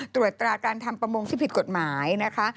ตรวจตราการทำประมงที่ผิดกฎหมายนะคะ